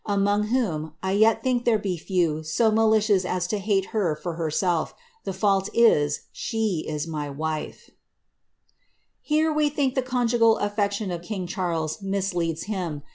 Among whom I yet think there be few so malicious as to liaie her for herself, — the fault is, she is my wifeP Here we think the conjugal affection of king Charles misleads him.